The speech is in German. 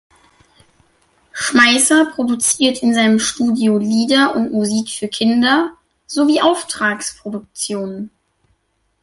Schmeisser produziert in seinem Studio Lieder und Musik für Kinder sowie Auftragsproduktionen.